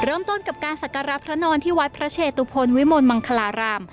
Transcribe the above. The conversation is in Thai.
เริ่มต้นกับการสักการะพระนอนที่วัดพระเชตุพลวิมลมังคลาราม